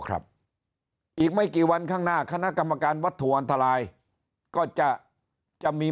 ครับอีกไม่กี่วันข้างหน้าคณะกรรมการวัตถุอันตรายก็จะจะมี